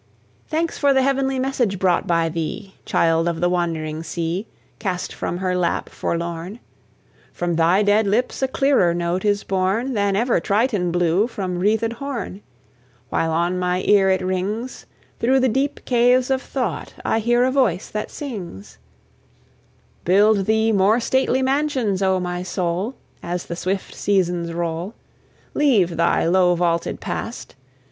Thanks for the heavenly message brought by thee, Child of the wandering sea, Cast from her lap, forlorn! From thy dead lips a clearer note is born Than ever Triton blew from wreathed horn! While on mine ear it rings, Through the deep caves of thought I hear a voice that sings: Build thee more stately mansions, O my soul, As the swift seasons roll! Leave thy low vaulted past!